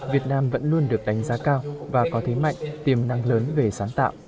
việt nam vẫn luôn được đánh giá cao và có thế mạnh tiềm năng lớn về sáng tạo